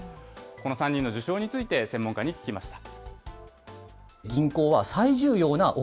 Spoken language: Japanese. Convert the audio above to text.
この３人の受賞について専門家に聞きました。